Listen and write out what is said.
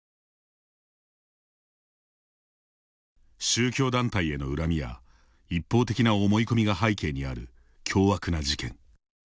宗教団体への恨みや、一方的な思い込みが背景にある凶悪な事件。